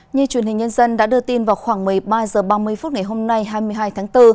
như truyền hình nhân dân đã đưa tin vào khoảng một mươi ba h ba mươi phút ngày hôm nay hai mươi hai tháng bốn